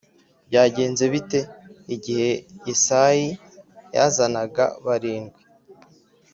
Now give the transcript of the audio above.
Byagenze bite igihe Yesayi yazanaga barindwi